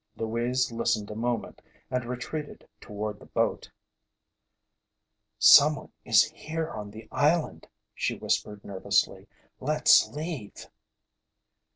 Louise listened a moment and retreated toward the boat. "Someone is here on the island," she whispered nervously. "Let's leave!"